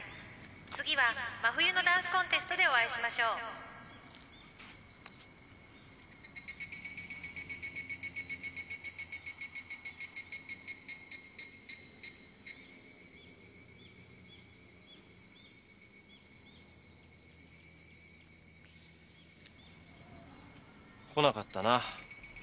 次は真冬のダンスコンテストでお会いしましょう」来なかったな。